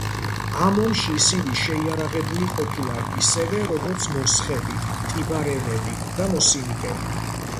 ამ ომში ისინი შეიარაღებული ყოფილან ისევე, როგორც მოსხები, ტიბარენები და მოსინიკები.